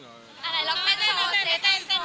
รอเต้นเสียเซ๊เต้น